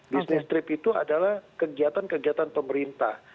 bisnis trip itu adalah kegiatan kegiatan pemerintah